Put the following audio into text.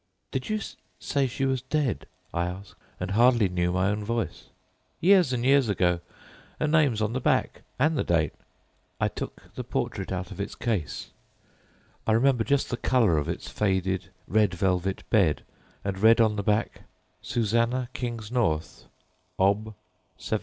"'Did you say she was dead?' I asked, and I hardly knew my own voice. "'Years and years ago! Her name's on the back and her date——' "I took the portrait from its faded red velvet bed, and read on the back—'Susannah Kingsnorth, Ob.